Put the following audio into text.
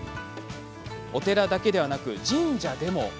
お寺だけではなく、神社でも。